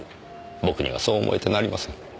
僕にはそう思えてなりません。